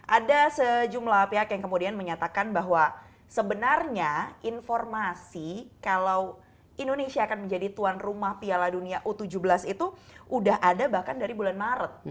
ada sejumlah pihak yang kemudian menyatakan bahwa sebenarnya informasi kalau indonesia akan menjadi tuan rumah piala dunia u tujuh belas itu sudah ada bahkan dari bulan maret